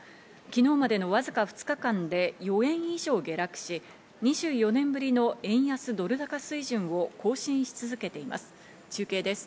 昨日までのわずか２日間で４円以上下落し、２４年ぶりの円安ドル高水準を更新し続けています。